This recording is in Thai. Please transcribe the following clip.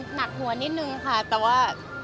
หนักหนันนิดนึงก่อนค่ะแต่ว่า